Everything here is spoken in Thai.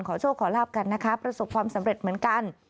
โชคขอลาบกันนะคะประสบความสำเร็จเหมือนกัน